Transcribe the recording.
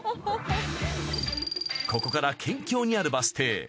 ここから県境にあるバス停